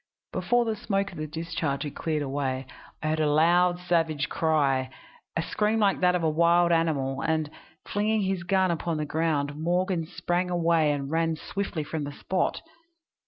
Before the smoke of the discharge had cleared away I heard a loud savage cry a scream like that of a wild animal and, flinging his gun upon the ground, Morgan sprang away and ran swiftly from the spot.